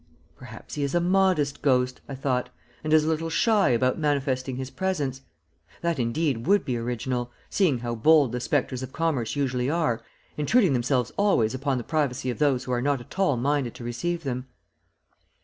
"Perhaps he is a modest ghost," I thought, "and is a little shy about manifesting his presence. That, indeed, would be original, seeing how bold the spectres of commerce usually are, intruding themselves always upon the privacy of those who are not at all minded to receive them."